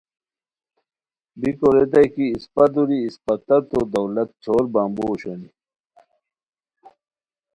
ریکو ریتانی کی اسپہ دُوری اسپہ تاتو دولت چھور یامبو اوشونی